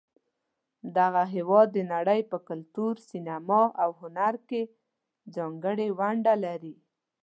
دغه هېواد د نړۍ په کلتور، سینما، او هنر کې ځانګړې ونډه لري.